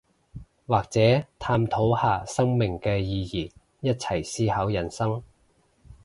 或者探討下生命嘅意義，一齊思考人生